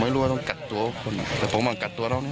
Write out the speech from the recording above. ไม่รู้ว่าต้องกัดตัวคุณแต่ผมมากัดตัวเรานี่